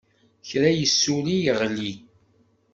Kra yessuli yeɣli.